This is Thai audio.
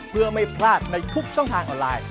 เพื่อไม่พลาดในทุกช่องทางออนไลน์